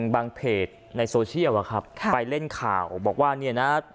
เพจในโซเชียลอะครับไปเล่นข่าวบอกว่าเนี่ยนะ